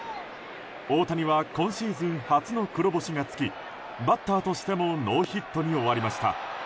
大谷は今シーズン初の黒星が付きバッターとしてもノーヒットに終わりました。